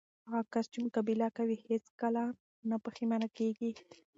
هغه کس چې مقابله کوي، هیڅ کله نه پښېمانه کېږي.